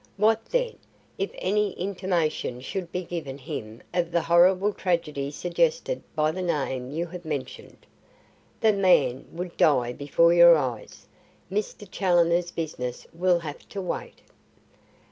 What then, if any intimation should be given him of the horrible tragedy suggested by the name you have mentioned? The man would die before your eyes. Mr. Challoner's business will have to wait."